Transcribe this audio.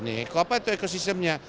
apa itu ekosistemnya